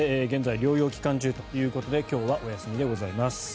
現在、療養期間中ということで今日はお休みでございます。